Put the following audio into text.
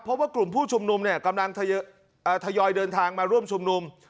เพราะว่ากลุ่มผู้ชุมนุมเนี่ยกำลังทยอยเดินทางมาร่วมชุมนุม